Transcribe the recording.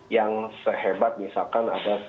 yang sehebat misalkan ada